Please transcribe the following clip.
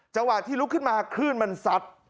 จังหวะที่ลุกขึ้นมาคลื่นมันซัด